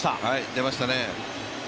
出ましたね。